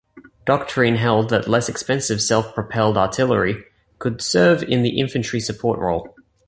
Doctrine held that less expensive self-propelled artillery could serve in the infantry support role.